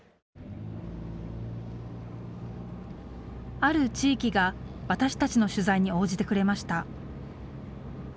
ある地域が私たちの取材に応じてくれました。